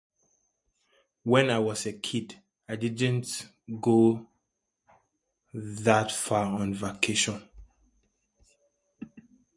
When I was a kid, I didn't go that far on vacation.